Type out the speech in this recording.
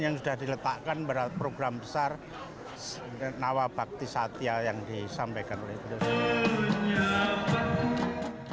yang sudah diletakkan berat program besar nawabakti satya yang disampaikan oleh gubernur jawa timur